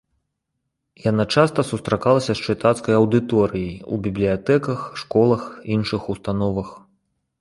Яна часта сустракалася з чытацкай аўдыторыяй у бібліятэках, школах, іншых установах.